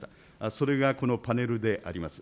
それがこのパネルであります。